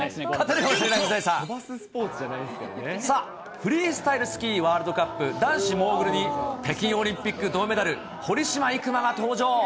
飛ばすスポーツじゃないんでさあ、フリースタイルスキーワールドカップ、男子モーグルに北京オリンピック銅メダル、堀島行真が登場。